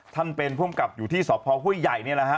ท่านเป็นพ่อมกับอยู่ที่สอบพร้อมห้วยใหญ่นี่แหละฮะ